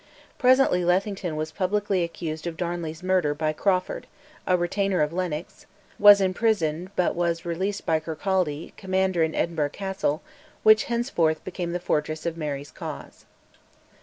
Presently Lethington was publicly accused of Darnley's murder by Crawford, a retainer of Lennox; was imprisoned, but was released by Kirkcaldy, commander in Edinburgh Castle, which henceforth became the fortress of Mary's cause.